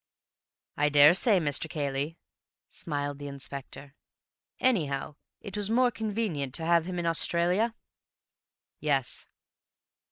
"I daresay, Mr. Cayley," smiled the Inspector. "Anyhow, it was more convenient to have him in Australia?" "Yes."